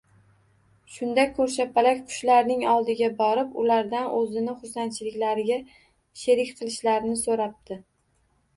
Shunda Ko‘rshapalak qushlarning oldiga borib ulardan o‘zini xursandchiliklariga sherik qilishlarini so‘rabdi